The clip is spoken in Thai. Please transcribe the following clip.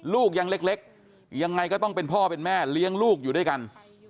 ลูกยังเล็กยังไงก็ต้องเป็นพ่อเป็นแม่เลี้ยงลูกอยู่ด้วยกัน